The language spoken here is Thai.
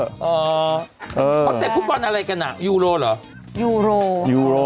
เขาเตะคุณบอลอะไรกันอ่ะยูโรเหรอ